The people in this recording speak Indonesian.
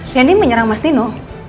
randy menyerang mas nino